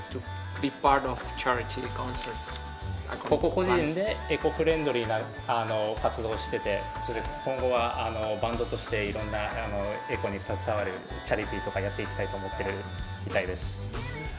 個人でエコフレンドリーな活動をしていて、今後はバンドとして、エコに携わるチャリティーとかやっていきたいと思っているみたいです。